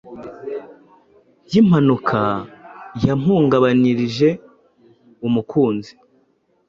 y’impanuka yampungabanyirije umukunzi.